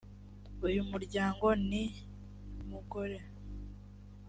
uyu muryango ni mugore.